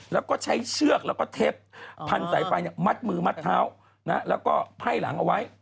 แล้วก็ใช้เชือกแล้วก็เทปพันสายไฟมัดมือมัดเท้าแล้วก็ไพ่หลังเอาไว้